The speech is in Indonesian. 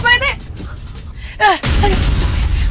pak rt tunggu